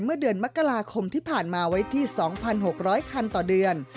เมื่อเดือนมกราคมที่ผ่านมาไว้ที่๒๖๐๐คันต่อเดือน